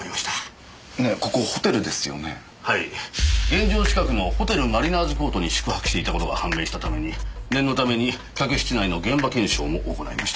現場近くの「ホテルマリナーズコート」に宿泊していた事が判明したために念のために客室内の現場検証も行いました。